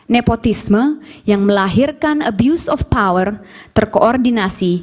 nepotisme yang melahirkan abuse of power terkoordinasi